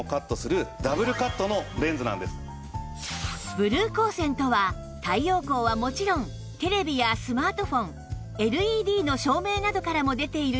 ブルー光線とは太陽光はもちろんテレビやスマートフォン ＬＥＤ の照明などからも出ている光